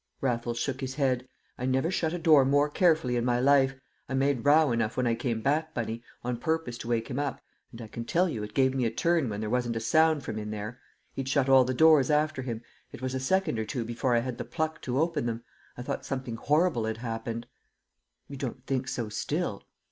Raffles shook his head. "I never shut a door more carefully in my life. I made row enough when I came back, Bunny, on purpose to wake him up, and I can tell you it gave me a turn when there wasn't a sound from in there! He'd shut all the doors after him; it was a second or two before I had the pluck to open them. I thought something horrible had happened!" "You don't think so still?"